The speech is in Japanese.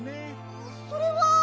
それは。